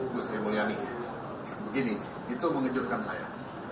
bu saya mulia nih begini itu mengejutkan saya